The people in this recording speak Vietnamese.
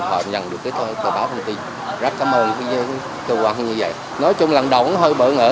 họ nhận được cái tờ báo thông tin rất cảm ơn các dân tư văn như vậy nói chung lần đầu nó hơi bỡ ngỡ